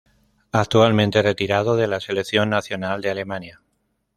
Actualmente retirado de la selección nacional de Alemania.